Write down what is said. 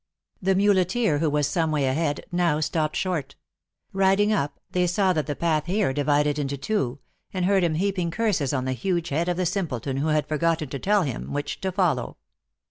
The muleteer, wlra was some way ahead, now stopped short. Riding up, they saw that the path here divided into two, and heard him heaping curses on the huge head of the simpleton, who had forgotten to tell him which to follow.